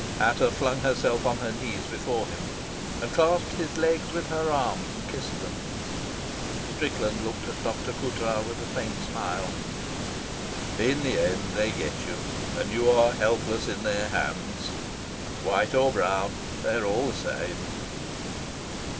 Ata flung herself on her knees before him, and clasped his legs with her arms and kissed them. Strickland looked at Dr. Coutras with a faint smile. "In the end they get you, and you are helpless in their hands. White or brown, they are all the same."